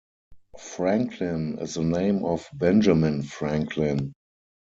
Franklin is the name of Benjamin Franklin.